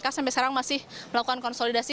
kpk sampai sekarang masih melakukan konsolidasi